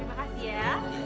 terima kasih ya